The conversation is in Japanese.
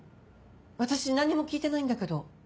私何も聞いてないんだけど。